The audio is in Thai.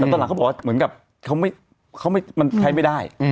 แล้วตอนหลังเขาบอกว่าเขาไม่ใช้ไม่ได้